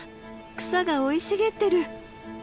草が生い茂ってる！